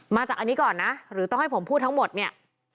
จากอันนี้ก่อนนะหรือต้องให้ผมพูดทั้งหมดเนี่ย